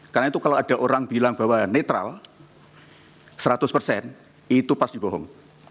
karena itu kalau ada orang bilang bahwa netral seratus itu pasti bohong